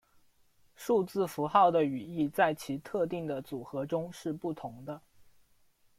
数字符号的语义在其特定的组合中是不同的。